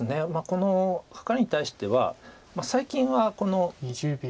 このカカリに対しては最近はこの。